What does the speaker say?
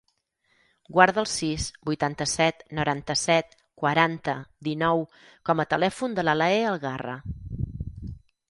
Guarda el sis, vuitanta-set, noranta-set, quaranta, dinou com a telèfon de l'Alae Algarra.